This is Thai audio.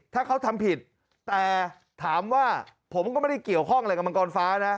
ถ้าเขาทำผิดแต่ถามว่าผมก็ไม่ได้เกี่ยวข้องอะไรกับมังกรฟ้านะ